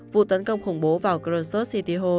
vụ tấn công khủng bố vào khrushchev city hall